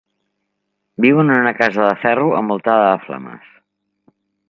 Viu en una casa de ferro envoltada de flames.